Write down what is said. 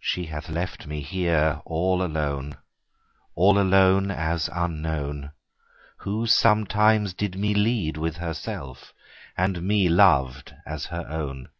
She hath left me here all alone, All alone, as unknown, Who sometimes did me lead with herself, And me loved as her own.